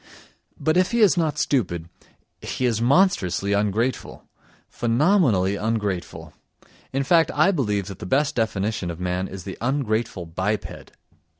But if he is not stupid, he is monstrously ungrateful! Phenomenally ungrateful. In fact, I believe that the best definition of man is the ungrateful biped.